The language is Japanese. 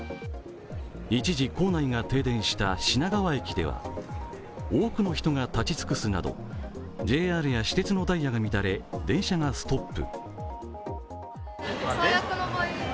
一時、構内が停電した品川駅では多くの人が立ち尽くすなどＪＲや私鉄のダイヤが乱れ電車がストップ。